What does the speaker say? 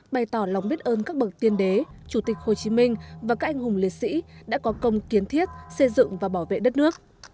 bày tỏ lòng biết ơn các bậc tiên đế chủ tịch hồ chí minh và các anh hùng liệt sĩ đã có công kiến thiết xây dựng và bảo vệ đất nước